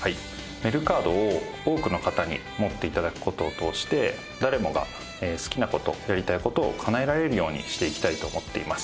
メルカードを多くの方に持って頂く事を通して誰もが好きな事やりたい事をかなえられるようにしていきたいと思っています。